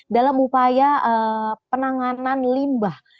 dalam upaya penanganan limbah